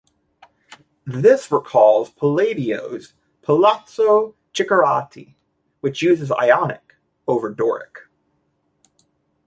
This recalls Palladio's Palazzo Chiericati, which uses Ionic over Doric.